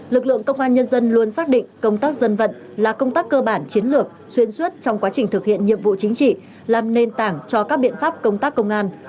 lực lượng công an nhân dân luôn xác định công tác dân vận là công tác cơ bản chiến lược xuyên suốt trong quá trình thực hiện nhiệm vụ chính trị làm nền tảng cho các biện pháp công tác công an